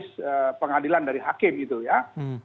untuk kemudan nanti di pengadilan dia akan mendapatkan tkh dari hakemi